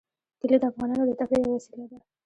کلي د افغانانو د تفریح یوه وسیله ده.